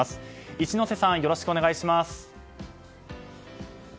一之瀬さんよろしくお願いします。